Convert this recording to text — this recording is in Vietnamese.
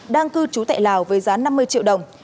đang cư trú tại lào với giá năm mươi triệu đồng